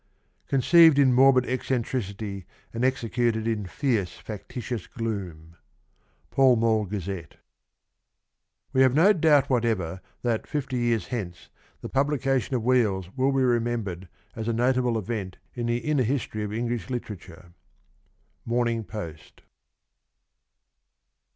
Conceived in morbid eccentricity and executed in fierce factitious gloom. — Pall Mall Gazette. We have no doubt whatever that, fifty years hence, the publication of ' Wheels ' will be remembered as a notable event in the inner history of English Literature. — Morning Post.